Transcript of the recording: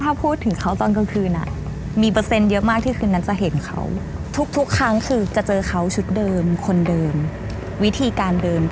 ถ้าพูดถึงเขาตอนกลางคืนอ่ะ